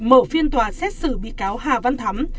mở phiên tòa xét xử bị cáo hà văn thắm